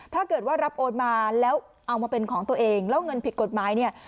ถ้าเกิดว่ารับโอนมาแล้วเอามาเป็นของตัวเองแล้วเงินผิดกฎหมายเนี่ย